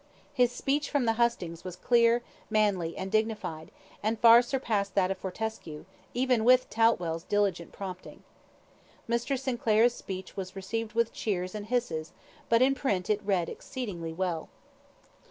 His speech from the hustings was clear, manly, and dignified, and far surpassed that of Fortescue, even with Toutwell's diligent prompting. Mr. Sinclair's speech was received with cheers and hisses, but in print it read exceedingly well.